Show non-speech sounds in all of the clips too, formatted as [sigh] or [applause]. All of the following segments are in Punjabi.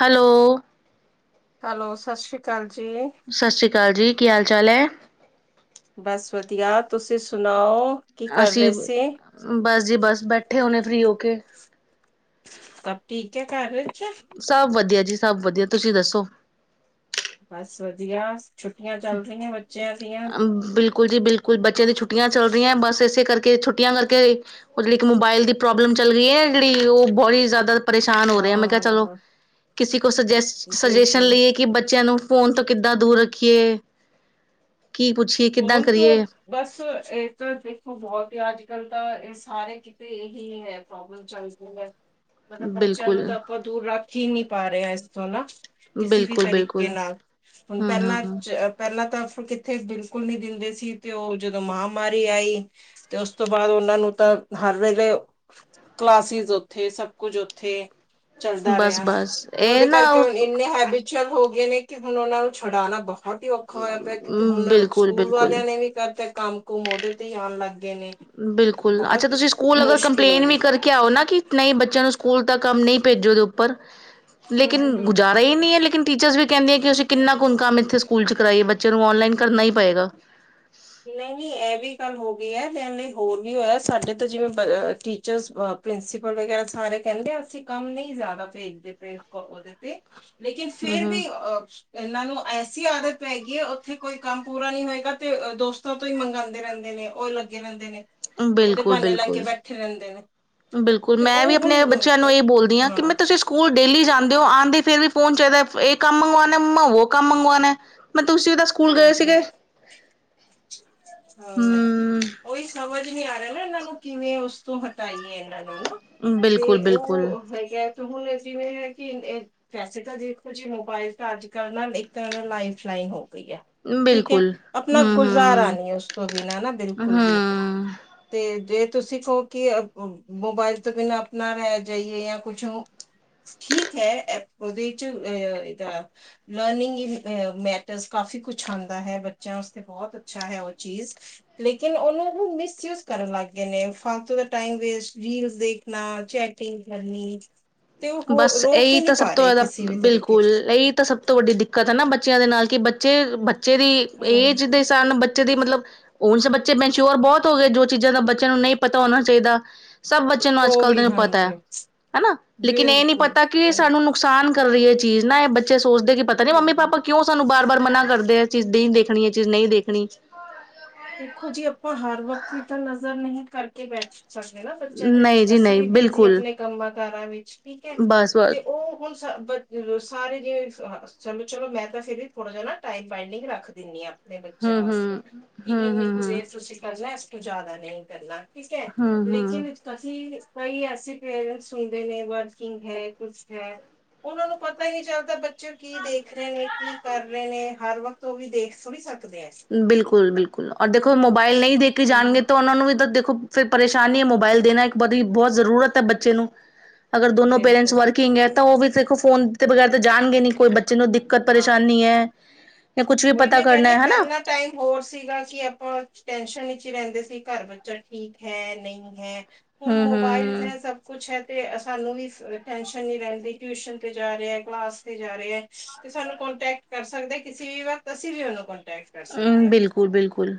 ਹੈਲੋ, ਹੈਲੋ ਸਤਿ ਸ਼੍ਰੀ ਅਕਾਲ ਜੀ। ਸਤਿ ਸ਼੍ਰੀ ਅਕਾਲ ਜੀ ਕੀ ਹਾਲ ਚਾਲ ਐ? ਬਸ ਵਧੀਆ ਤੁਸੀਂ ਸੁਣਾਓ? ਕੀ ਕਰ ਅਸੀਂ ਰਹੇ ਸੀ? ਬਸ ਜੀ ਬਸ ਬੈਠੇ ਹੋਣੇ ਫ੍ਰਰੀ ਹੋ ਕੇ। ਸਭ ਠੀਕ ਹੈ ਘਰ ਵਿੱਚ। ਸਭ ਵਧੀਆ ਜੀ ਸਭ ਵਧੀਆ ਤੁਸੀਂ ਦੱਸੋ? ਬਸ ਵਧੀਆ ਛੁੱਟੀਆਂ ਚੱਲ ਰਹੀਆਂ ਬੱਚਿਆਂ ਦੀਆਂ। ਬਿਲਕੁਲ ਜੀ ਬਿਲਕੁਲ ਬੱਚਿਆਂ ਦੀ ਛੁੱਟੀਆਂ ਚੱਲ ਰਹੀਆਂ ਬਸ ਇਸੇ ਕਰਕੇ ਛੁੱਟੀਆਂ ਕਰਕੇ ਉਹ ਜਿਹੜੀ ਇੱਕ ਮੋਬਾਇਲ ਦੀ ਪ੍ਰੋਬਲਮ ਚੱਲ ਗਈ ਐ ਜਿਹੜੀ ਉਹ ਬਹੁਤ ਜ਼ਿਆਦਾ ਪਰੇਸ਼ਾਨ ਹੋ ਰਿਹਾ ਮੈਂ ਕਿਹਾ ਚਲੋ ਹਾਂ, ਕਿਸੇ ਕੋਲ ਸੁਜੈਸ਼ਨ ਬਿਲਕੁਲ। ਲਈਏ ਕਿ ਬੱਚਿਆਂ ਨੂੰ ਫ਼ੋਨ ਤੋਂ ਕਿੱਦਾਂ ਦੂਰ ਰੱਖੀਏ। ਕੀ ਪੁੱਛੀਏ! ਕਿੱਦਾਂ ਉਹਣ ਕਰੀਏ? ਤੂੰ। ਬਸ ਇਹ ਤਾਂ ਦੇਖੋ ਬਹੁਤ ਹੀ ਅੱਜ ਕੱਲ ਤਾਂ ਇਹ ਸਾਰੇ ਕਿਤੇ ਇਹੀ ਹੈ ਪ੍ਰੋਬਲਮ। ਚਦੀ ਮਤਲਬ ਬੱਚਿਆਂ ਨੂੰ ਬਿਲਕੁਲ, ਤਾਂ ਆਪਾਂ ਦੂਰ ਰੱਖ ਹੀ ਨਹੀਂ ਪਾ ਰਹੇ ਹ ਇਸ ਤੋਂ ਨਾ। ਕਿਸੇ ਵੀ ਬਿਲਕੁਲ, ਤਰੀਕੇ ਬਿਲਕੁਲ। ਨਾਲ ਹੁਣ ਹੂੰ, ਪਹਿਲਾਂ ਚ ਹੂੰ, ਪਹਿਲਾਂ ਤਾਂ ਫ ਕਿੱਥੇ ਬਿਲ ਸਕੂਨੀ ਦਿਲ ਦੇ ਸੀ ਤੇ ਉਹ ਜਦੋਂ ਮਹਾਂਮਾਰੀ ਆਈ। ਤੇ ਉਸ ਤੋਂ ਬਾਅਦ ਉਹਨਾਂ ਨੂੰ ਤਾਂ ਹਰ ਵੇਲੇ ਕਲਾਸਿਸ ਉੱਥੇ ਸਭ ਕੁਝ ਉੱਥੇ। ਚੱਲਦਾ ਬਸ, ਰਿਹਾ ਬਸ ਤੇ ਇਹ ਉਹਦੇ ਕਰਕੇ ਹੁ ਨਾ ਇੰਨੇ ਹੈਬ ਚਲ ਹੋ ਗਏ ਨੇ ਕਿ ਹੁਣ ਉਹਨਾਂ ਨੂੰ ਛਡਉਣਾ ਬਹੁਤ ਹੀ ਔਖਾ ਹੋਇਆ ਪਿਆ ਕਿਉਂਕਿ ਹੁਣ ਬਿਲਕੁਲ ਸਕੂਲ ਬਿਲਕੁਲ ਵਾਲਿਆਂ ਵੀ ਕਰਦੇ ਕੰਮ ਕੁਮ ਉਹਦੇ ਤੇ ਹੀ ਆਉਣ ਲੱਗ ਗਏ ਨੇ। ਤੇ ਬਿਲਕੁਲ ਅੱਛਾ ਬਹੁਤ ਤੁਸੀਂ ਸਕੂਲ ਅਗਰ ਮੁਸ਼ਕਿਲ ਹੋ ਕੰਪਲੇਂਨ ਰਿਹਾ। ਵੀ ਕਰ ਕਿਹਾ ਉਹ ਨਾ ਕਿ ਨਹੀਂ ਬੱਚਿਆਂ ਨੂੰ ਸਕੂਲ ਤ ਕੰਮ ਨਹੀਂ ਭੇਜੋ ਉਹਦੇ ਉੱਪਰ ਲੇਕਿਨ ਹੂੰ-ਹੂੰ, ਹੂੰ। ਗੁਜਾਰ। ਵਹੀ ਨ ਨਹੀਂ ਹੈ ਲੇਕਨ ਟੀਚਰਸ ਵੀ ਕਹਿੰਦੇ ਕਿ ਅਸੀਂ ਕਿੰਨਾ ਕੁ ਕੰਮ ਇੱਥੇ ਸਕੂਲ ਚ ਕਰਵਾਈਏ ਬੱਚੇ ਨੂੰ ਔਨਲਾਈਨ ਕਰਨਾ ਹੀ ਪਏਗਾ। ਨਹੀਂ ਨਹੀਂ ਇਹ ਵੀ ਗੱਲ ਹੋ ਗਈ ਹੈ ਲੈਣ ਲਈ ਹੋਰ ਵੀ ਹੋਇਆ ਸਾਡੇ ਤਾਂ ਜਿਵੇਂ ਟੀਚਰਸ ਪ੍ਰਿੰਸੀਪਲ ਵਗੈਰਾ ਸਾਰੇ ਕਹਿੰਦੇ ਆ ਅਸੀਂ ਕੰਮ ਨਹੀਂ ਜ਼ਿਆਦਾ ਭੇਜਦੇ ਪਏ ਉਹਦੇ ਤੇ। ਲੇਕਿਨ ਫੇਰ ਹਮ ਵੀ ਅ ਇਹਨਾਂ ਨੂੰ ਐਸੀ ਆਦਤ ਪਏਗੀ ਹੈ ਉੱਥੇ ਕੋਈ ਕੰਮ ਪੂਰਾ ਨਹੀਂ ਹੋਏਗਾ ਤੇ ਦੋਸਤਾਂ ਤੋਂ ਹੀ ਮੰਗਵਾਉਂਦੇ ਰਹਿੰਦੇ ਨੇ ਉਹ ਲੱਗੇ ਰਹਿੰਦੇ ਨੇ ਹਮ ਉਹਦੇ ਬਿਲਕੁਲ ਬਹਾਨੇ ਲੈ ਕੇ ਬਿਲਕੁਲ ਬੈਠੇ ਰਹਿੰਦੇ ਨੇ। ਬਿਲਕੁਲ ਤੇ ਮੈਂ ਵੀ ਉਹ ਆਪਣੇ ਹੁਣ ਬੱਚਿਆਂ ਨੂੰ ਅਹ, ਇਹਹੀ ਬੋਲਦੀ ਹਾਂ ਕਿ ਮੈਂ ਤੁਸੀਂ ਸਕੂਲ ਡੇਲੀ ਜਾਂਦੇ ਹੋ ਆਂਦੇ ਫਿਰ ਵੀ ਫੋਨ ਚਾਹੀਦਾ ਇਹ ਕੰਮ ਮੰਗਵਾਉਣਾ ਮਮਾ ਕੰਮ। ਮੰਗਵਾਉਣਾ ਮੈਂ ਤੁਸੀਂ ਦੱਸ ਹਾਂਜੀ ਹਾਂ। ਹਮ ਓਈ ਸਮਝ ਨੀ ਆ ਰਿਹਾ ਨਾ ਇਹਨਾਂ ਨੂੰ ਕਿਵੇਂ ਉਸ ਤੋਂ ਹਟਾਈਏ ਇਹਨਾਂ ਨੂੰ ਨਾ। ਤੇ ਬਿਲਕੁਲ ਬਿਲਕੁਲ ਉਹ ਹੈਗਾ ਤੇ ਹੁਣ ਜਿਵੇਂ ਹੈ ਕਿ ਵੈਸੇ ਤਾਂ ਦੇਖੋ ਜੀ ਮੋਬਾਇਲ ਤਾਂ ਅੱਜ ਕਲ੍ਹ ਨਾ ਇੱਕ ਤਰ੍ਹਾਂ ਨਾਲ ਲਾਈਫ ਲਾਈਨ ਹੋ ਗਈ ਹੈ। ਠੀਕ ਹੈ ਬਿਲਕੁਲ ਆਪਣਾ ਹਮ ਗੁਜ਼ਾਰਾ ਹਮ ਨਹੀਂ ਉਸ ਤੋਂ ਬਿਨਾਂ ਨਾ ਬਿਲਕੁਲ ਵੀ। ਹੂੰ ਤੇ ਜੇ ਤੁਸੀਂ ਕਹੋ ਕਿ ਮੋਬਾਇਲ ਤੋਂ ਬਿਨਾਂ ਆਪਣਾ ਰਹਿ ਜਾਈਏ ਜਾਂ ਕੁਛ ਠੀਕ ਹੈ ਏ ਉਹਦੇ ਚ ਇਹਦਾ ਲਰਨਿੰਗ ਇਨ ਮੈ ਕਾਫੀ ਕੁਛ ਆਂਦਾ ਹੈ ਬੱਚਿਆਂ ਵਸਤੇ ਬਹੁਤ ਅੱਛਾ ਹੈ ਉਹ ਚੀਜ਼। ਲੇਕਿਨ ਉਹਨਾਂ ਨੂੰ ਮਿਸਯੂਜ ਕਰਨ ਲੱਗ ਗਏ ਨੇ ਫਾਲਤੂ ਦਾ ਟਾਈਮ ਵੇਸਟ ਰੀਲ ਦੇ ਨਾਲ ਚੈਟਿੰਗ ਕਰਨੀ। ਤੇ ਉਹ ਹੋ ਬਸ ਰੋਕ ਹੀ ਇਹੀ ਨਹੀਂ ਤਾਂ ਸਭ ਪਾ ਤੋਂ ਰਹੇ ਜ਼ਿਆਦਾ ਕਿਸੇ ਵੀ ਤਰੀਕੇ ਬਿਲਕੁਲ ਚ ਇਹੀ ਤਾਂ ਸਭ ਤੋਂ ਵੱਡੀ ਦਿੱ ਕਤਾ ਨਾ ਬੱਚਿਆਂ ਦੇ ਨਾਲ ਕਿ ਬੱਚੇ ਬੱਚੇ ਦੀ ਹਮ ਏਜ ਦੇ ਸਨ ਬੱਚੇ ਦੀ ਮਤਲਬ ਹੁਣ ਬੱਚੇ ਮਨਚੋਰ ਬਹੁਤ ਹੋ ਗਏ ਜੋ ਚੀਜ਼ਾਂ ਦਾ ਬੱਚਿਆਂ ਨੂੰ ਨਹੀਂ ਪਤਾ ਹੋਣਾ ਚਾਹੀਦਾ ਸਭ ਬੱਚੇ ਬੱਚੇ ਨੂੰ ਅੱਜ ਉਹ ਕੱਲ੍ਹ ਵੀ ਤੈਨੂੰ ਪਤਾ ਹੈ ਹਾਂਜੀ ਹਨਾ। ਲੇਕਿਨ ਇਹ ਨੀ ਬਿਲਕੁਲ ਪਤਾ ਕਿ ਸਹੀ ਸਾਨੂੰ ਨੁਕਸਾਨ ਕਰ ਰਹੀ ਇਹ ਚੀਜ਼ ਨਾ ਇਹ ਬੱਚੇ ਸੋਚਦੇ ਕਿ ਪਤਾ ਨੀ ਮੰਮੀ ਹਮ ਪਾਪਾ ਕਿਉਂ ਸਾਨੂੰ ਬਾਰ ਬਾਰ ਮਨਾ ਕਰਦੇ ਆ ਚੀਜ਼ ਨਹੀਂ ਦੇਖਣੀ ਇਹ ਚੀਜ਼ ਨਹੀਂ ਦੇਖਣੀ। ਦੇਖੋ ਜੀ ਆਪਾਂ ਹਰ ਵਕਤ ਵੀ ਤਾਂ ਨਜ਼ਰ ਨਹੀਂ ਕਰਕੇ ਬੈ ਸਾਡੇ ਨਾ ਬੱਚਿਆਂ ਤੇ ਨਹੀਂ ਜੀ ਅਸੀਂ ਨਹੀਂ ਵੀ ਬਿਜ਼ੀ ਬਿਲਕੁਲ ਆਪਣੇ ਕੰਮਾਂ ਕਾਰਾਂ ਵਿੱਚ ਠੀਕ ਹੈ ਬਸ ਬਸ ਤੇ ਉਹ ਹੁਣ ਸ ਸਾਰੇ ਜ ਚਲੋ ਮੈਂ ਤਾਂ ਫਿਰ ਵੀ ਥੋੜ੍ਹਾ ਜਿ ਟਾਈਮ ਬਾਈੰਡਿੰਗ ਰੱਖ ਦਿੰਦੀ ਹਾਂ। ਦੇ ਹੂੰ ਬੱਚਿਆਂ ਵਾਸਤੇ ਹੂੰ ਕਿ ਹੂੰ ਇੰਨੀ ਹੂੰ ਹੂੰ ਕੁਝਰ ਤੁਸੀਂ ਕਰਨਾ ਇਸ ਕਿ ਜ਼ਿਆਦਾ ਨਹੀਂ ਕਰਨਾ। ਠੀਕ ਹੈ ਹੂੰ ਹੂੰ ਲੇਕਿਨ ਅਸੀ ਕਈ ਐਸੇ ਪੇਰੈਂਟਸ ਹੁੰਦੇ ਨੇ ਵਰਕਿੰਗ ਹੈ ਕੁਛ ਹੈ। ਉਹਨਾਂ ਨੂੰ ਪਤਾ ਹੀ ਨਹੀਂ ਚੱਲਦਾ ਬੱਚੇ ਕੀ ਦੇਖ ਰਹੇ ਨੇ ਕੀ ਕਰ ਰਹੇ ਨੇ ਹਰ ਵਕਤ ਓ ਵੀ ਦੇਖ ਥੋੜੀ ਸਕਦੇ ਆ। ਬਿਲਕੁਲ ਬਿਲਕੁਲ ਔਰ ਦੇਖੋ ਮੋਬਾਇਲ ਨਹੀਂ ਦੇਖੇ ਨਈ ਜਾਣਗੇ ਹਮ ਤਾਂ ਉਹਨਾਂ ਨੂੰ ਵੀ ਤਾਂ ਦੇਖੋ ਫਿਰ ਪਰੇਸ਼ਾਨੀ ਹੈ ਮੋਬਾਇਲ ਦੇਣਾ ਇੱਕ ਬੜੀ ਬਹੁਤ ਜ਼ਰੂਰਤ ਹੈ ਬੱਚੇ ਨੂੰ। ਅਗਰ ਦੋਨੋ ਬਿਲਕੁਲ ਪੇਰੈਂਟਸ ਵਰਕਿੰਗ ਹੈ ਤਾਂ ਉਹ ਵੀ ਦੇਖੋ ਫੋਨ ਦੇ ਬਗੈਰ ਤਾਂ ਜਾਣਗੇ ਨੀ ਕੋਈ ਬੱਚੇ ਨੂੰ ਘਰ ਪਰੇਸ਼ਾਨੀ ਹਾਂਜੀ ਹੈ ਜਾਂ ਕੁੱਛ ਵੀ ਉਹੀ ਪਤਾ ਮੈਂ ਕਹਿ ਕਰਨਾ ਰਹੀ ਹਾਂ ਹੈ ਹਨਾ। ਪਹਿਲਾਂ ਟਾਈਮ ਹੋਰ ਸੀਗਾ ਕਿ ਆਪਾਂ ਟੈਨਸ਼ਨ ਚ ਰਹਿੰਦੇ ਸੀ ਘਰ ਬੱਚਾ ਠੀਕ ਹੈ ਨਹੀਂ ਹੈ ਹੁਣ ਹੂੰ ਮੋਬਾਈਲ ਹੂੰ ਹੈ ਸਭ ਕੁਛ ਹੈ ਤੇ ਸਾਨੂੰ ਵੀ ਟੈਨਸ਼ਨ ਨੀ ਰਹਿੰਦੀ ਟਿਊਸ਼ਨ ਤੇ ਜਾ ਰਿਹਾ ਹੈ ਕਲਾਸ ਤੇ ਜਾ ਰਿਹਾ ਹੈ ਤੇ ਸਾਨੂੰ ਕੋਂਟੈਕਟ ਕਰ ਸਕਦੇ ਕਿਸੇ ਵੀ ਵਕਤ ਅਸੀਂ ਵੀ ਉਹਨੂੰ ਕੋਂਟੈਕਟ ਕਰ ਸਕਦੇ ਹੂੰ ਹਾਂ ਬਿਲਕੁਲ ਬਿਲਕੁਲ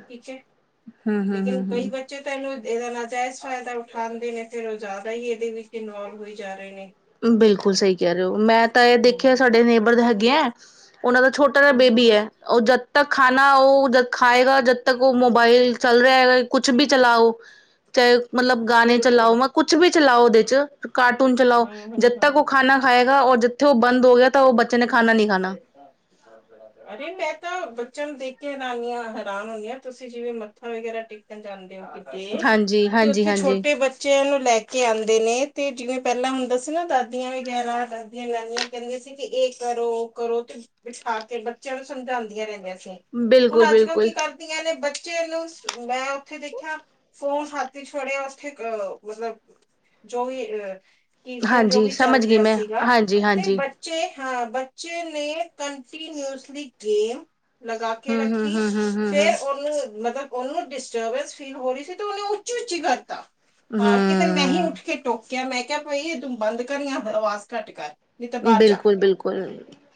ਹੂੰ ਹੂੰ ਹੂੰ ਜੀ ਤੈਨੂੰ ਇਹਦਾ ਨਾਜਾਇਜ਼ ਫਾਇਦਾ ਉਠਾਂਦੇ ਨੇ ਫਿਰ ਉਹ ਜ਼ਿਆਦਾ ਹੀ ਇਹਦੇ ਵਿੱਚ ਇਨਵਲਵ ਹੋਈ ਜਾ ਰਹੇ ਨੇ ਬਿਲਕੁਲ ਸਹੀ ਕਹਿ ਰਹੇ ਹੋ ਮੈਂ ਤਾਂ ਇਹ ਹਮ ਦੇਖਿਆ ਸਾਡੇ ਨੇਬਰ ਹੈਗੇ ਹੈ ਉਹਨਾਂ ਦਾ ਛੋਟਾ ਹਮ ਹਮ ਬੇਬੀ ਹਮ। ਹੈ ਉਹ ਜਦ ਤੱਕ ਖਾਣਾ ਉਹ ਖਾਏਗਾ ਜਦ ਤੱਕ ਉਹ ਮੋਬਾਈਲ ਚੱਲ ਰਿਹਾ ਹੈਗਾ ਕੁੱਛ ਵੀ ਚਲਾਓ ਚਾਹੇ ਮਤਲਬ ਗਾਣੇ ਚਲਾਓ ਬਿਲਕੁਲ ਮ ਕੁਛ ਵੀ ਚਲਾਓ ਉਹਦੇ ਚ ਕਾਰਟੂਨ ਚਲਾਓ ਹਮ ਹਮ ਜਦ ਹਮ ਤੱਕ ਉਹ ਖਾਣਾ ਖਾਏਗਾ ਔਰ ਜਿੱਥੇ ਉਹ ਬੰਦ ਹੋ ਗਿਆ ਤਾਂ ਉਹ ਬੱਚੇ ਨੇ ਖਾਣਾ ਨਹੀਂ ਖਾਣਾ ਆ ਕੜਾ ਹਾਂਜੀ ਮੈਂ ਤਾਂ ਬੱਚਿਆਂ ਨੂੰ ਦੇਖ ਕੇ ਹੈਰਾਨ ਹਾਂ ਹੈਰਾਨ ਹੁੰਦੀ ਹ ਤੁਸੀਂ ਜਿਵੇਂ ਮੱਥਾ ਵਗੈਰਾ ਟੇਕਣ ਜਾਂਦੇ ਹੋ ਹਾਂਜੀ ਤੁਸੀਂ ਹਾਂਜੀ ਉੱਥੇ ਹਾਂਜੀ ਛੋਟੇ ਬੱਚੇ ਬੱਚਯਾ ਨੂੰ ਲੈ ਕੇ ਆਂਦੇ ਨੇ ਤੇ ਜਿਵੇਂ ਪੈਲਾਂ ਹੁੰਦਾ ਸੀ ਨਾ ਦਾਦੀਆਂ ਵਗੈਰਾ ਦਾਦੀਆਂ, ਨਾਨੀਆਂ ਕੈਂਦਿਯਾਂ ਸੀ ਕਿ ਏ ਕਰੋ, ਕਰੋ ਤੇ ਬਿਠਾ ਕੇ ਬੱਚੇਆ ਨੂੰ ਸਮਝਾਂਦੀਆਂ ਰੈਂਦੀਆਂ ਸੀ, ਹੁਨ ਬਿਲਕੁਲ ਅੱਜ-ਕੱਲ ਬਿਲਕੁਲ ਕੀ ਕਰ ਕਈਆਂ ਦੇ ਬੱਚੇਆ ਨੂੰ ਮੈਂ ਓਥੇ ਦੇਖਯਾ ਫੋਨ ਹੱਥ ਇੱਚ ਫੜਿਆ ਓਥੇ ਅ ਮਤਲਬ, ਜੋ ਵੀ ਅ ਕੀਰਤਨ ਜੋ ਹਾਂਜੀ ਵੀ ਚੱਲ ਸਮਝ ਗਈ ਰਿਆ ਮੈਂ ਸੀਗਾ, ਹਾਂਜੀ ਤੇ ਹਾਂਜੀ ਬ ਬੱਚੇ, ਹਾ, ਬੱਚੇ ਨੇ ਕੰੰਟੀਨਊਜਲੀ ਗੇਮ ਲਗਾ ਕੇ ਹਮ ਹਮ ਰੱਖੀ, ਹਮ ਹਮ ਹਮ ਫੇਰ ਹਮ ਓਨੂੰ ਮਤਬ ਉਹਨੂੰ ਡਿਸਟਰਬੈਸ ਫੀਲ ਹੋ ਰਹੀ ਸੀ ਤੇ ਉਹਨੇ ਉੱਚੀ ਉੱਚੀ ਕਰਤਾ ਹਾਰ ਕੇ ਫਿਰ ਮੈਂ ਹੀ ਉੱਠ ਹਮ ਕੇ ਟੋਕਿਆ ਮੈਂ ਕਿਹਾ ਭਾਈ ਇਹ ਤੂੰ ਬੰਦ ਕਰ ਜਾਂ ਆਵਾਜ਼ ਘੱਟ ਕਰ ਤਾਂ ਬਾਹਰ ਜਾ ਬਿਲਕੁਲ ਬਿਲਕੁਲ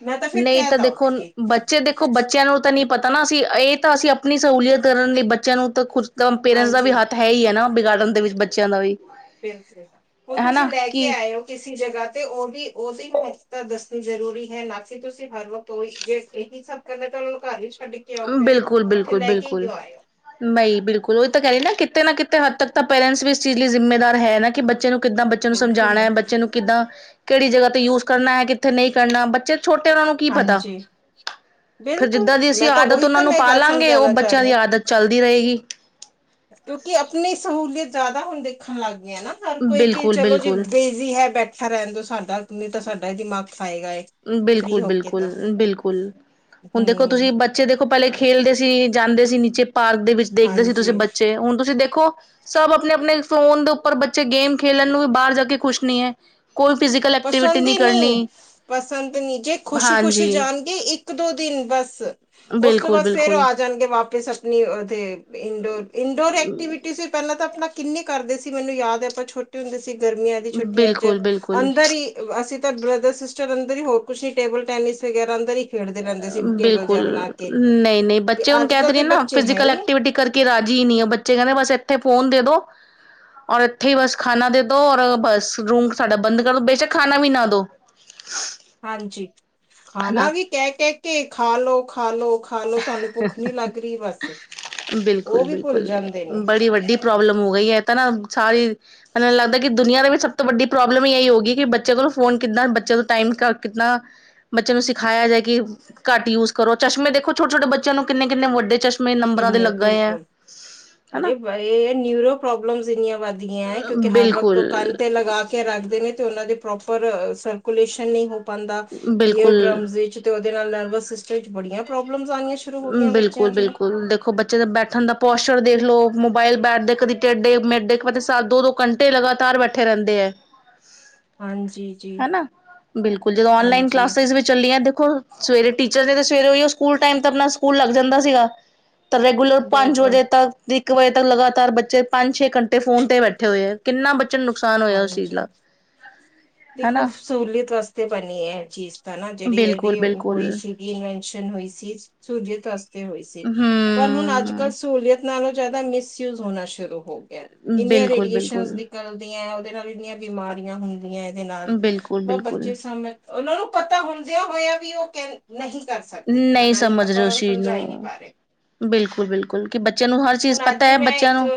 ਮੈਂ ਫਿਰ ਨਹੀਂ ਕਹਿ ਤਾਂ ਤਾ ਉੱਠ ਦੇਖੋ ਕੇ ਬ ਬੱਚੇ ਦੇਖੋ ਬੱਚਿਆਂ ਨੂੰ ਤਾਂ ਨਹੀਂ ਪਤਾ ਨਾ ਅਸੀਂ ਇਹ ਤਾਂ ਅਸੀਂ ਆਪਣੀ ਸਹੂਲੀਅਤ ਕਰਨ ਲਈ ਬੱਚਿਆਂ ਨੂੰ ਤਾਂ ਕੁ ਪੇਰੈਂਟਸ ਦਾ ਵੀ ਹਾਂਜੀ ਹੱਥ ਹੈ ਹੀ ਹੈ ਨਾ ਬਗਾਰਨ ਦੇ ਵਿੱਚ ਬੱਚਿਆਂ ਦਾ ਵੀ ਬਿਲਕੁਲ ਹੁਣ ਤੁਸੀਂ ਹਨਾ ਲੈ ਕੇ ਕਿ ਆਇਓ ਕਿਸੇ ਜਗ੍ਹਾ ਤੇ ਉਹ ਵੀ ਉਹਸੀ ਮੁਤਾ ਦੱਸਣੀ ਜ਼ਰੂਰੀ ਹੈ ਨਾ ਕਿ ਤੁਸੀਂ ਹਰ ਵਕਤ ਜੇ ਇਹੀ ਸਭ ਕਹਿੰਦੇ ਚਲੋ ਘਰ ਹੀ ਛੱਡ ਆਨੇ ਬਿਲਕੁਲ ਬਿਲਕੁਲ ਬਿਲਕੁਲ ਬਈ ਬਿਲਕੁਲ ਉਹ ਇਹ ਤਾਂ ਕਹਿ ਰਹੀ ਨਾ ਕਿਤੇ ਨਾ ਕਿਤੇ ਹੱਦ ਤੱਕ ਤਾਂ ਪੇਰੈਂਟਸ ਵੀ ਇਸ ਚੀਜ਼ ਲਈ ਜ਼ਿੰਮੇਦਾਰ ਹੈ ਨਾ ਕਿ ਬੱਚੇ ਨੂੰ ਕਿੱਦਾ ਬੱਚੇ ਨੂੰ ਬਿਲਕੁਲ ਸਮਝਾਨਾ ਬੱਚੇ ਨੂੰ ਕਿੱਦਾਂ ਕੇੜੀ ਜਗਾ ਤੇ ਯੂਜ ਕਰਨਾ, ਕਿੱਥੇ ਨਈ ਕਰਨਾ ਬੱਚੇ ਛੋਟੇ ਓਨਾਂ ਨੂੰ ਕੀ ਪਤਾ ਹਾਂਜੀ ਫੇਰ ਬਿਲਕੁਲ ਜਿੱਦਾ ਦੀ ਅਸੀ ਮੈਂ ਤਾਂ ਆਦਤ ਉਹੀ ਓਨਾਂ ਤਾਂ ਨੂੰ ਮੈਂ ਇਹ ਗੱਲ ਪਾਲਾਂਗੇ ਓ ਸਮਝਾਉਣਾ ਚਾਹ ਬੱਚਾ ਦੀ [unintelligible] ਚੱਲਦੀ ਰਏਗੀ ਕਿਉਕਿ ਆਪਨੀ ਸਹੂਲੀਅਤ ਜਾਦਾ ਹੁਨ ਦੇਖਨ ਲੱਗ ਗਿਐਂ, ਹਰ ਕੋਈ ਕਿ ਬਿਲਕੁਲ ਚਲੋ ਜੀੇ ਬਿਲਕੁਲ [unintelligible] ਵੀ ਹੈ ਬੈਠਾ ਰੈਨ ਦੋ, ਸਾਡਾ ਨਈ ਤਾ ਸਾਡਾ ਈ ਦਿਮਾਗ ਖਾਏਗਾ ਏ। ਬਿਲਕੁਲ, ਬਿਲਕੁਲ, ਬਿਲਕੁਲ ਹੁਨ ਦੇਖੋ ਹਮ ਤੁਸੀ ਬ ਬੱਚੇ ਦੇਖੋ ਪੈਲੇ ਖੇਲਦੇ ਸੀ, ਜਾਂਦੇ ਸੀ ਨੀਚੇ ਪਾਰਕ ਦੇ ਵਿੱਚ ਦੇਖਦੇ ਸੀ ਤੁਸੀ ਹਾਂਜੀ ਬੱਚੇ, ਹੁਨ ਤੁਸੀ ਦੇਖੋ ਸਬ ਅਪਨੇ-ਅਪਨੇ ਫੋਨ ਦੇ ਉੱਪਰ ਬੱਚੇ ਗੇਮ ਖੇਲਨ ਨੂੰ ਵੀ ਬਾਰ ਜਾ ਕੇ ਖੁਸ਼ ਨੀ ਐ। ਕੋਈ ਫਿਜ਼ੀਕਲ ਐਕਟੀਵਿਟੀ ਪਸੰਦ ਨੀ ਹੀ ਨਹੀਂ ਕਰਨੀ ਪਸੰਦ ਨੀ, ਜੇ ਖੁਸ਼ੀ-ਖੁਸ਼ੀ ਹਾਂਜੀ, ਜਾਨਗੇ ਇੱਕ-ਦੋ ਦਿਨ ਬਸ, ਓਸ ਤੋ ਬਿਲਕੁਲ, ਬਾਦ ਫੇਰ ਆ ਬਿਲਕੁਲ। ਆ ਜਾਨਗੇ ਵਾਪਿਸ ਅਪਨੀ ਉਥੇ ਇੰਡੋਰ, ਇੰਡੋਰ ਐਕਟੀਵਿਟੀਜ ਪੈਲਾ ਤਾ ਆਪਨਾ ਕਿੰਨੇ ਕਰਦੇ ਸੀ ਮੈਨੂੰ ਯਾਦ ਐ ਆਪਾ ਛੋਟੇ ਹੁੰਦੇ ਸੀ ਗਰਮੀਆਂ ਦੀ ਛੁੱਟੀਆਂ ਇੱਚ ਬਿਲਕੁਲ, ਬਿਲਕੁਲ, ਅੰਦਰ ਈ ਅਸੀ ਤੇ ਬ੍ਰਦਰ-ਸਿਸਟਰ ਅੰਦਰ ਈ ਹੋਰ ਕੁਛ ਨੀ ਟੇਬਲ-ਟੈਨਿਸ ਵਗੈਰਾ ਅੰਦਰ ਈ ਬਿਲਕੁਲ, ਨਈ, ਨਈ ਬੱਚੇ ਹੁਨ ਅੱਜ ਕੈ ਕੱਲ ਤੇ ਰਿਆ ਦੇ ਨਾ ਬੱਚੇ ਹੈ ਫਿਜਿਕਲ ਹੀ ਨਹੀਂ ਐਕਟੀਵਿਟੀ ਕਰ ਕੇ ਰਾਜੀ ਈ ਨੀ ਐ, ਬੱਚੇ ਕੈਂਦੇ ਬੱਸ ਐਥੇ ਫੋਨ ਦੇ ਦੋ ਔਰ ਐਥੇ ਈ ਬੱਸ ਖਾਨਾ ਦੇ ਦੋ ਔਰ ਬੱਸ ਰੂਮ ਸਾਡਾ ਬੰਦ ਕਰਦੋ ਬੇਸ਼ਕ ਖਾਨਾ ਵੀ ਨਾ ਦੋ ਹਾਂਜੀ, ਖਾਨਾ ਹਨਾ। ਵੀ ਕੈ-ਕੈ ਕੇ, ਖਾ ਲੋ, ਖਾ ਲੋ ਖਾ ਲੋ ਤੁਆਨੂੰ ਭੁੱਖ ਨੀ ਲੱਗ ਰੀ ਬੱਸ ਓ ਬਿਲਕੁਲ ਵੀ ਭੁੱਲ ਬਿਲਕੁਲ ਜਾਂਦੇ ਨੇ। ਬੜੀ ਵੱਡੀ ਪ੍ਰੋਬਲਮ ਹੋਗੀ ਐ, ਤਾ ਨਾ ਸਾਰੀ ਮੈਨੈੂ ਲੱਗਦੈ ਕਿ ਦੁਨਿਆ ਦੇ ਵਿੱਚ ਸਭ ਤੋ ਵੱਡੀ ਪ੍ਰੋਬਲਮ ਏਈ ਹੋ ਗੀ ਕਿ ਬੱਚੇ ਕੋਲੋ ਫੋਨ ਕਿੱਦਾ, ਬੱਚੇ ਤੋ ਟਾਈਮ ਕ ਕਿਤਨਾ ਬੱਚਿਆ ਨੂੰ ਸਿਖਾਇਆ ਜਾਏ ਕਿ ਘੱਟ ਯੂਜ ਕਰੋ, ਚਸ਼ਮੇ ਦੇਖੋ ਛੋਟੇ-ਛੋਟੇ ਬਚ ਬੱਚਿਆ ਨੂੰ ਕਿੰਨੇ-ਕਿੰਨੇ ਵੱਡੇ ਚਸ਼ਮੇ ਨੰਬਰਾਂ ਦੇ ਲੱਗ ਗਏ ਐ। ਅਰੇ ਵਾਏ ਨਿਊਰੋ ਪ੍ਰੋਬਲਮਸ ਇੰਨੀਆਂ ਵੱਧ ਗਿਆਂ, ਕਿਉਕਿ ਹਰ ਵਕਤ ਓ ਬਿਲਕੁਲ ਕਨ ਤੇ ਲਗਾ ਕੇ ਰੱਖ ਦੇਨੇ, ਤੇ ਓਨਾਂ ਦੇ ਪ੍ਰੋਪਰ ਸਰਕੂਲੇਸ਼ਨ ਨਈ ਹੋ ਪਾਂਦਾ, ਈਅਰ ਬਿਲਕੁਲ ਡਰਮਸ ਵਿੱਚ ਤੇ ਓਦੇ ਨਾਲ ਨਰਵਸ ਸਿਸ ਵਿੱਚ ਬੜੀਆਂ ਪ੍ਰੋਬਲਮਸ ਆਨੀਆਂ ਸ਼ੁਰੂ ਹੋ ਗਿਆਂ ਬੱਚਿਆ ਬਿਲਕੁਲ ਦੀਆਂ ਬਿਲਕੁਲ ਦੇਖੋ ਬਚ ਬੱਚਯਾ ਦਾ ਬੈਠਨ ਦਾ ਪੋਸ਼ਚਰ ਦੇਖ ਲੋ, ਮੋਬਾਇਲ ਬੈਠਦੇ ਕਦੀ ਟੇਡੇ-ਮੇਡੇ, ਕਦੇ [unintelligible] ਦੋ-ਦੋ ਘੰਟੇ ਲਗਾ ਤਾਰ ਬੈਠੇ ਰਹਿੰਦੇ ਹੈ। [inaudible] ਜੀ ਹਨਾ ਬਿਲਕੁਲ, ਜਦੋਂ ਉਨ ਲਾਈਨ ਹਾਂਜੀ ਕਲਾਸ ਵਿਚ ਚੱਲੀਆਂ ਦੇਖੋ ਸਵੇਰੇ ਟੀਚਰ ਨੇ ਤੇ ਸਵੇਰੇ ਉਹੀ ਉਹ ਸਕੂਲ ਟਾਈਮ ਤੇ ਆਪਣਾ ਸਕੂਲ ਲੱਗ ਜਾਂਦਾ ਸੀਗਾ। ਤਾਂ ਰੈਗੂਲਰ ਪੰਜ ਬਿਲਕੁਲ ਵਜੇ ਤੱਕ ਇੱਕ ਵਜੇ ਤੱਕ ਲਗਾਤਾਰ ਬੱਚੇ ਪੰਜ ਛੇ ਘੰਟੇ ਫੋਨ ਤੇ ਬੈਠੇ ਹੋਏ ਹੈ। ਕਿਨਾ ਬੱਚਿਆਂ ਨੂੰ ਨੁਕਸਾਨ ਹੋਇਆ ਉਸ ਚੀਜ਼ ਹਾਂਜੀ ਦਾ ਦੇਖੋ ਹਨਾ ਸਹੂਲੀਅਤ ਵਾਸਤੇ ਬਣੀ ਹੈ, ਇਹ ਚੀਜ਼ ਤਾਂ ਜਿਹੜੀ ਇਹ ਬਿਲਕੁਲ ਦੀ ਬਿਲਕੁਲ ਹੋਈ ਸੀ। ਇਨਵੈਸ਼ਨ ਹੋਈ ਸੀ ਸੂਲੀਹਤ ਵਾਸਤੇ ਹੋਈ ਸੀ। ਪਰ ਹੁਣ ਅਜ-ਕਲ ਹਮ ਸਹੂਲੀਅਤ ਨਾਲੋਂ ਜ਼ਿਆਦਾ ਮਿਸਯੂਜ ਹੋਣਾ ਸ਼ੁਰੂ ਹੋਊ। ਇੰਨੀਆਂ ਬਿਲਕੁਲ ਰੇਡੀਏਸ਼ਨ ਬਿਲਕੁਲ ਨਿਕਲਦੀਆਂ ਉਹਦੇ ਨਾਲ ਇੰਨੀਆਂ ਬਿਮਾਰੀਆਂ ਹੁੰਦੀਆਂ। ਦੇ ਨਾਲ ਬਿਲਕੁਲ ਬ ਬਿਲਕੁਲ ਬੱਚੇ [unintelligible] ਓਨਾਂ ਨੂੰ ਪਤਾ ਹੁੰਦਿਆਂ ਹੋਇਆਂ ਵੀ ਓ ਕੈਂ ਨਹੀ ਕਰ ਸਕਦੇ ਨਹੀਂ ਮਨਾ ਨੀ ਸਮਝ ਆਪਾ ਰਹੇ ਓਨਾਂ ਉਸ ਨੂੰ ਚੀਜ਼ ਸਮਝਾ ਈ ਨੀ ਪਾ ਰੇ ਬਿਲਕੁਲ, ਬਿਲਕੁਲ ਕਿ ਬੱਚਿਆ ਨੂੰ ਹਰ ਚੀਜ਼ ਹੁਣ ਅੱਜ ਹੀ ਪਤੈ ਮੈਂ ਬੱਚਯਾ ਇੱਕ ਨੂੰ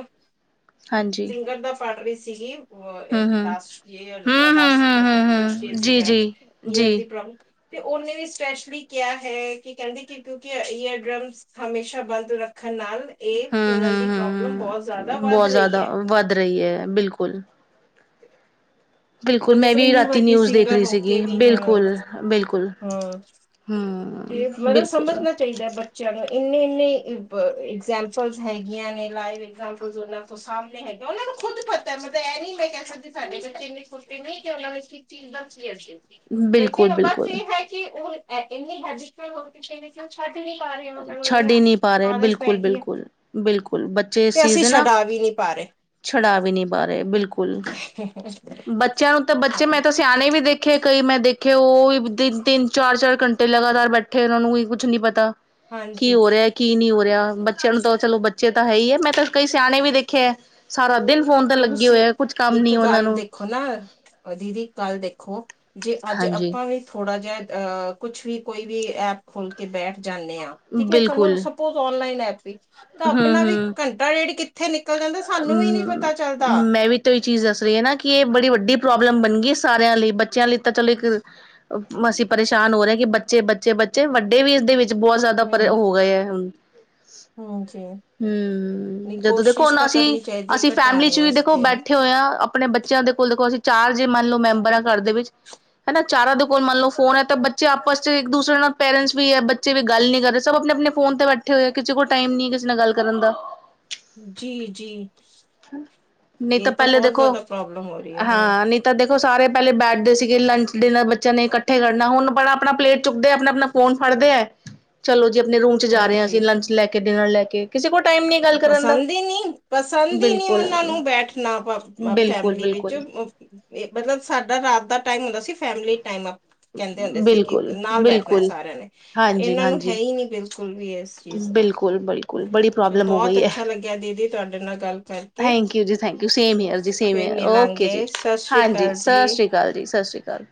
ਹਾਂਜੀ ਸਿੰਗਰ ਦਾ ਪੜ ਰੀ ਸੀਗੀ, ਵ ਏ ਹਮ ਹਮ ਲਾਸਟ ਹੂੰ, [unintelligible] ਹੂੰ, ਲਾਸਟ ਹੂੰ, ਮਤਲਬ ਕੁੱਛ ਹੂੰ, [unintelligible] ਹੂੰ, ਜੀ, ਜੀ, ਈਅਰ ਜੀ, ਦੀ ਪ੍ਰੋਬਲਮ ਤੇ ਓਨੇ ਵੀ ਸਪੈਸ਼ਲੀ ਕੇਆ ਹੈ ਕਿ ਕੈਂਦੇ ਕਿ ਕਿਉਕਿ ਐ ਈਅਰ ਡਰਮਸ ਹਮੇਸ਼ਾ ਬਲਦ ਰੱਖਨ ਨਾਲ ਹੂੰ। [unintelligible] ਹੂੰ, ਦੀ ਪ੍ਰੋਬਲਮ ਹੂੰ, ਬੋਤ ਜਾਦਾ ਹੂੰ। ਵੱਧ ਬਹੁਤ ਰਈ ਜ਼ਿਆਦਾ ਐ। ਵੱਧ ਰਈ ਐ, ਬਿਲਕੁਲ। ਬਿਲਕੁਲ, ਉਹ ਮੈਂ ਦੇਖੋ ਵੀ ਇੰਨੀ ਰਾਤੀ ਵੱਡੀ ਨਿਊਜ਼ ਦੇਖ ਸਿੰਗਰ ਰੀ ਹੋ ਕੇ ਸੀਗੀ ਵੀ ਹਾਂ ਬਿਲਕੁਲ, ਬਿਲਕੁਲ, ਹਾਂ ਹੂੰ ਤੇ ਮੈਂ ਨਾ ਬਿਲਕੁਲ, ਸਮਝਨੈ ਚਾਹੀਦਾ ਬੱਚਿਆਂ ਨੂੰ ਇੰਨੇ-ਇੰਨੇ ਨੇ ਇਗਜੈਂਪਲਸ ਹੈਗੀਆਂ ਨੇ ਲਾਈਵ ਇਗਜਾਮਪਲ ਉਹਨਾਂ ਸਾਹਮਣੇ ਹੈਗੇ, ਉਹਨਾ ਨੂੰ ਖੁਦ ਪਤਾ ਮਤਲਬ ਇਹ ਨੀ ਮੈਂ ਕਹਿ ਸਕਦੀ ਸਾਡੇ ਵਿਚ ਇੰਨੀ ਫੁਰਤੀ ਨਹੀਂ ਤੇ ਉਹਨਾਂ ਵਿਚ ਚਜ਼ ਕਲੀਅਰ ਚੀਜ਼ [unintelligible] ਸੀ ਬਿਲਕੁਲ, ਲੇਕਿਨ ਬਸ ਬਿਲਕੁਲ। ਇਹ ਹੈ, ਕਿ ਉਹ ਇੰਨੀ ਹੈ ਹੋ ਚਾਹੀ। ਉਹ ਛੱਡ ਨਹੀ ਪਾ ਰਹੇ, ਉਹਨਾਂ ਨੂੰ ਛੱਡ ਹੀ ਇੰਨੀਆਂ ਨਹੀ ਪਾਰਹੇ ਆਦਤ ਪੈ ਗਈ ਹੈ ਬਿਲਕੁਲ-ਬਿਲਕੁਲ-ਬਿਲਕੁਲ ਬ ਤੇ ਅਸੀ ਛਡਾ ਵੀ ਨਹੀਂ ਪਾ ਰਹੇ। ਛਡਾ ਵੀ ਨਹੀ ਪਾਰੇ ਬਿਲਕੁਲ ਬੱਚਿਆਂ ਨੂੰ ਤਾਂ ਬ ਜੁ ਮੈ ਤਾਂ ਸਿਆਣੇ ਵੀ ਦੇਖੇ ਕਈ ਮੈ ਦੇਖੇ ਉਹ ਵੀ ਤਿੰਨ-ਤਿੰਨ ਚਾਰ- ਚਾਰ ਘੰਟੇ ਲਗਾਤਾਰ ਬੈਠੇ ਬੱਠੇ ਉਹਨਾਂ ਨੂੰ ਕੋਈ ਕੁੱਛ ਨੀ ਪਤਾ ਹਾਂਜੀ ਕੀ ਹੋ ਰਿਹਾ ਕੀ ਨਹੀ ਹੋ ਰਿਹਾ, ਬੱਚਿਆਂ ਨੂੰ ਤਾਂ ਚਲੋ ਬੱਚੇ ਤਾਂ ਹੈ, ਹੀ ਹੈ, ਮੈ ਤਾਂ ਕਈ ਸਿਆਣੇ ਵੀ ਦੇਖੇ ਹੈ। ਸਾਰਾ ਦਿਨ ਫੋਨ ਤੇ ਲਗੇ ਹੋਇਆ ਕੁਛ ਕਮ ਨੀ ਉਹਨਾਂ ਨੂੰ ਦੇਖਨਾ ਦੀਦੀ ਕੱਲ ਦੇਖੋ, ਜੇ ਅਜ ਹਾਂਜੀ ਆਪਾਂ ਵੀ ਥੋੜਾ ਜਿਹਾ ਅਹ ਕੁਛ ਵੀ ਕੋਈ ਵੀ ਐਪ ਖੋਲ ਕੇ ਬੈਠ ਜਾਂਦੇ ਹਾਂ ਠੀਕ ਹੈ, ਸਾਨੂੰ ਬਿਲਕੁਲ ਸਭ ਬਹੁਤ ਉਨ ਲਾਈਨ ਐਪ ਵੀ ਤਾਂ ਆਪਣਾ ਹਮ ਵੀ ਹਮ ਘੰਟਾ ਡੇਢ ਕਿੱਥੇ ਨਿਕਲ ਜਾਂਦਾ ਸਾਨੂੰ ਵੀ ਨੀ ਪਤਾ ਚੱਲਦਾ ਮੈਂ ਵੀ ਚੀਜ਼ ਦੱਸ ਰਹੀ ਹੈ, ਨਾ ਕਿ ਇਹ ਬੜੀ ਵਡੀ ਪ੍ਰੋਬਲਮ ਬਣ ਗਈ ਸਾਰਿਆਂ ਲਈ ਬੱਚਿਆਂ ਲਈ ਤਾਂ ਚਲੋ ਇਕ ਅਸੀ ਪਰੇਸ਼ਾਨ ਹੋ ਰਹੇ ਹੈ, ਕਿ ਬੱਚੇ- ਬੱਚੇ- ਬੱਚੇ ਵੱਡੇ ਵੀ ਇਸਦੇ ਵਿਚ ਬਹੁਤ ਜਾਇਦਾ ਪਰ ਹਮ ਹੋ ਗਏ ਹ ਹਣ ਹਮ ਜੀ ਹੂੰ ਨਹੀਂ ਜਦੋਂ ਦੇ ਕੋਸ਼ਿਸ਼ ਤਾਂ ਅਸੀ ਕਰਨੀ ਚਾਹੀਦੀ ਹੈ ਅਸੀ ਫੈਮਿਲੀ ਘਟਾਉਣ ਚ ਵੀ ਦੇਖੋ ਵਾਸਤੇ ਹੈ ਬੈਠੇ ਹੋ। ਆਪਣੇ ਬੱਚਿਆਂ ਦੇ ਕੋਲ ਦੇਖੋ ਅਸੀ ਚਾਰ ਜੇ ਮੰਨ ਲਓ ਮੈਬਰ ਹਾਂ ਘਰ ਦੇ ਵਿਚ। ਹਨਾ ਚਾਰਾ ਦੇ ਕੋਲ ਮੰਨ ਲਓ ਫੋਨ ਹੈ ਤੇ ਬੱਚੇ ਆਪਸ ਚ ਇਕ ਦੂਸਰੇ ਨਾਲ ਪੇਰੈਟਸ ਵੀ ਹੈ। ਕਿਸੇ ਵੀ ਗੱਲ ਨੀ ਕਰ ਰਹਾ ਸਭ ਆਪਣੇ ਆਪਣੇ ਫੋਨ ਤੇ ਬੈਠੇ ਹੋਏ ਆ ਕਿਸੇ ਕੋਲ ਟਾਈਮ ਨੀ ਕਿਸੇ ਨਾਲ ਗੱਲ ਕਰਨ ਦਾ। ਜੀ ਜੀ। ਨਹੀ ਤਾਂ ਇਹ ਪਹਿਲੇ ਬਹੁਤ ਦੇਖੋ ਜ਼ਿਆਦਾ ਪ੍ਰੋਬਲਮ ਹੋ ਰਹੀ ਹੈ ਹ ਹਾਂ ਨਹੀ ਤਾਂ ਦੇਖੋ ਸਾਰੇ ਪਹਿਲੇ ਬੈਠਦੇ ਸੀਗੇ ਲੰਚ ਡਿਨਰ ਬੱਚਿਆਂ ਨੇ ਇਕਠੇ ਕਰਨਾ ਹੁਣ ਆਪਣਾ ਆਪਣਾ ਪਲੇਟ ਚੁੱਕਦੇ ਆਪਣਾ ਆਪਣਾ। ਫੋਨ ਫੜਦੇ ਹੈ। ਚਲੋ ਜੀ ਆਪਣੇ ਰੂਮ ਚ ਜਾ ਰਹੇ ਹਾਂ ਹਾਂਜੀ ਅਸੀ ਲੰਚ ਲੈ ਕੇ ਡਿਨਰ ਲੈ ਕੇ। ਕਿਸੇ ਕੋਲ ਟਾਈਮ ਨਹੀ ਗੱਲ ਕਰਨ ਦਾ। ਪਸੰਦ ਹੀ ਨਹੀਂ ਪਸੰਦ ਹੀ ਨੀ ਉਹਨਾਂ ਬਿਲਕੁਲ ਨੂੰ ਬੈਠਣਾ ਬਿਲਕੁਲ ਫੈਮਿਲੀ ਵਿਚ। ਬਿਲਕੁਲ ਮਤਲਬ ਸਾਡਾ ਰਾਤ ਦਾ ਟਾਈਮ ਹੁੰਦਾ ਸੀ ਫੈਮਿਲੀ ਟਾਈਮਪ। ਕਹਿੰਦੇ ਹੁੰਦੇ ਸੀ ਕਿ ਬਿਲਕੁਲ ਨਾਲ ਬੈਠਣਾ ਬਿਲਕੁਲ ਸਾਰਿਆਂ ਨੇ ਹਾਂਜੀ ਇਹਨਾਂ ਨੂੰ ਹੈ ਹਾਂਜੀ ਹੀ ਨਹੀਂ ਬਿਲਕੁਲ ਵੀ ਇਸ। ਚੀਜ਼ ਦਾ ਬਿਲਕੁਲ ਬਿਲਕੁਲ ਬੜੀ ਚਲੋ ਪ੍ਰੋਬਲਮ ਹੋ ਬਹੁਤ ਗਈ ਹੈ ਅੱਛਾ ਲੱਗਿਆ ਦੀਦੀ ਤੁਹਾਡੇ ਨਾਲ ਗੱਲ ਕਰਕੇ ਥੈਂਕ ਯੂ ਜੀ ਥੈਂਕ ਯੂ ਸੇਮ ਈਅਰ ਜੀ ਸੇਮ ਫਿਰ ਈਅਰ ਓਕੇ ਜੀ। ਮਿਲਾਂਗੇ ਸਤਿ ਸ੍ਰੀ ਹਾਂਜੀ ਅਕਾਲ ਸਤਿ ਜੀ ਸ਼੍ਰੀ ਅਕਾਲ ਜੀ ਸਤਿ ਸ਼੍ਰੀ ਅਕਾਲ।